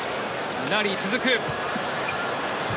ラリー続く。